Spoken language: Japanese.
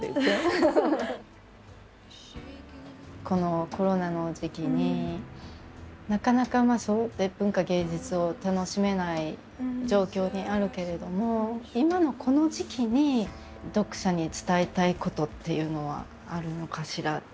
このコロナの時期になかなかそろって文化芸術を楽しめない状況にあるけれども今のこの時期に読者に伝えたいことっていうのはあるのかしら？